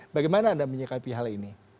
bagaimana anda menyikapi hal ini